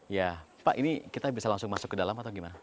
ya pak ini kita bisa langsung masuk ke dalam atau gimana